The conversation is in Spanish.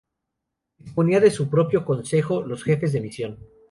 Disponía de su propio consejo: los "jefes de misión".